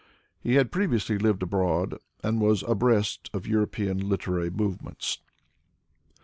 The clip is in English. He had previously lived abroad, and was abreast of European literary movements.